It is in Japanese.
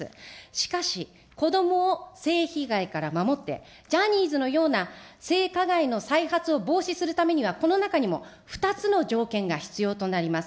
しかし、子どもを性被害から守って、ジャニーズのような性加害の再発を防止するためにはこの中にも２つの条件が必要となります。